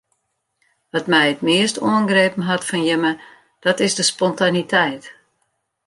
Wat my it meast oangrepen hat fan jimme dat is de spontaniteit.